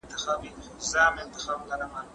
ډېرو ړندو سړيو کولای سواي په ګڼ ځای کي ږیري ولري.